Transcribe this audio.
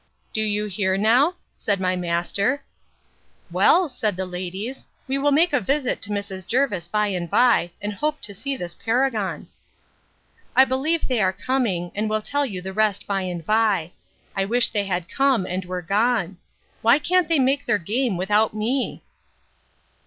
Do you hear now? said my master.—Well, said the ladies, we will make a visit to Mrs. Jervis by and by, and hope to see this paragon. I believe they are coming; and will tell you the rest by and by. I wish they had come, and were gone. Why can't they make their game without me?